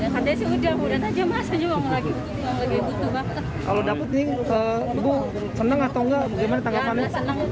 kalau dapet nih bu seneng atau enggak bagaimana tanggapannya